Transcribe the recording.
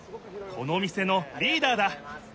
この店のリーダーだ！